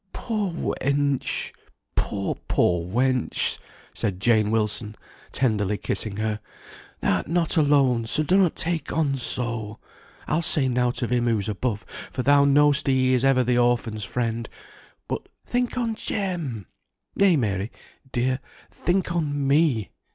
"Poor wench! poor, poor wench!" said Jane Wilson, tenderly kissing her. "Thou'rt not alone, so donnot take on so. I'll say nought of Him who's above, for thou know'st He is ever the orphan's friend; but think on Jem! nay, Mary, dear, think on me!